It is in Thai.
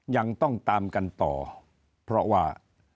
ยังต้องตามกันต่อเพราะว่า